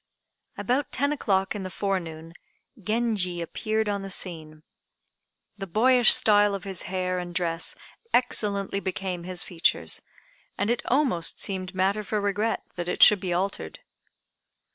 About ten o'clock in the forenoon Genji appeared on the scene. The boyish style of his hair and dress excellently became his features; and it almost seemed matter for regret that it should be altered.